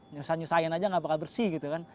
nyusah nyusahin aja nggak bakal bersih gitu kan